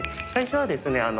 最初はですね